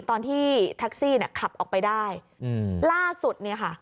ตอนที่แท็กซี่เนี่ยขับออกไปได้อืมล่าสุดเนี่ยค่ะ